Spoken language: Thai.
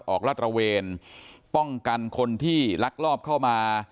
ลาดระเวนป้องกันคนที่ลักลอบเข้ามา